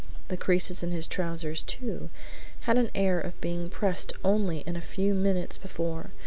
The creases in his trousers, too, had an air of having been pressed in only a few minutes before.